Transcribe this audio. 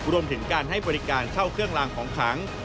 รวมถึงการให้บริการเช่าเครื่องลางของขัง